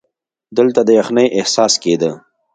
دلته د یخنۍ احساس کېده.